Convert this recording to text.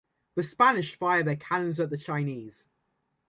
The Spanish fire their cannons at the Chinese.